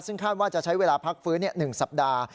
ซึ่งคาดว่าจะใช้เวลาพักฟื้น๑สัปดาห์